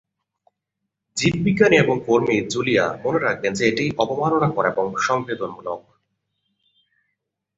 জীববিজ্ঞানী এবং কর্মী জুলিয়া মনে রাখবেন যে এটি "অবমাননাকর বা সংবেদনমূলক।"